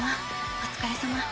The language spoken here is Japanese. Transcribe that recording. お疲れさま。